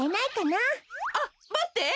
あっまって！